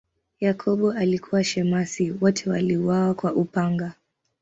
Yakobo alikuwa shemasi, wote waliuawa kwa upanga.